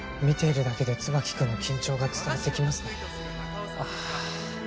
見ているだけで椿くんの緊張が伝わってきますね。